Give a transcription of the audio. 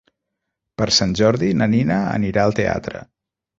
Per Sant Jordi na Nina anirà al teatre.